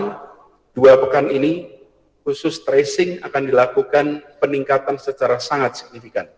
ketika dihitung dengan standar yang diharuskan dua pekan ini khusus tracing akan dilakukan peningkatan secara sangat signifikan